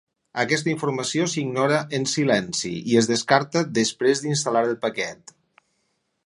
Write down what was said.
Aquesta informació s'ignora en silenci i es descarta després d'instal·lar el paquet.